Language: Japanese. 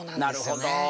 なるほど。